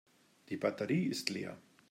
Die Batterie ist leer.